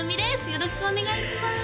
よろしくお願いします